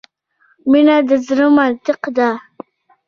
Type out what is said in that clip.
مینه د زړه منطق ده .